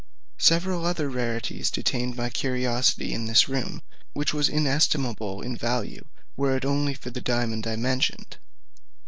Several other rarities detained my curiosity in this room, which was inestimable in value, were it only for the diamond I mentioned.